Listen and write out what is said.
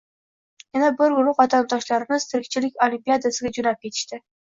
Yana bir guruh vatandoshlarimiz “tirikchilik olimpiadasiga” joʻnab ketishdi.